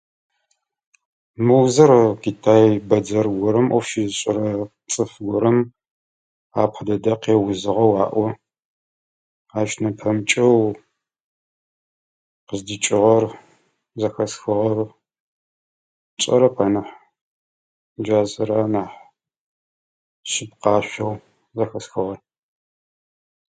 Мы узыр Китай бэдзэр горэм ӏоф щызышӏэрэ цӏыф горэм апэ дэдэ къеузыгъэу аӏо. Ащ нэпэмыкӏэу къыздикӏыгъэр зэхэсхыгъэр шӏэрэп анахь. Джа зы ра нахь шъыпкъашъоу зэхэсхыгъэр.